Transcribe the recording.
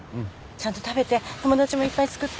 ちゃんと食べて友達もいっぱいつくって。